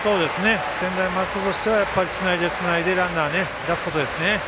専大松戸としてはやっぱり、つないでつないでランナー出すことですね。